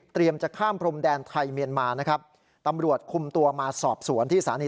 จะข้ามพรมแดนไทยเมียนมานะครับตำรวจคุมตัวมาสอบสวนที่สถานี